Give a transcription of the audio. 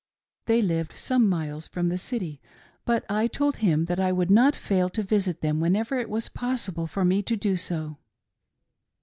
They lived some miles from the City, but I told him that I would not fail to visit them whenever it was possible for me to do so.